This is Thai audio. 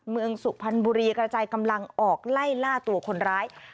สุพรรณบุรีกระจายกำลังออกไล่ล่าตัวคนร้าย